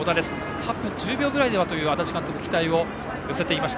８分１０秒ぐらいではと足立監督は期待を寄せていました。